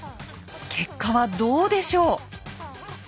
結果はどうでしょう？